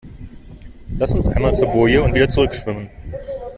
Lass uns einmal zur Boje und wieder zurück schwimmen.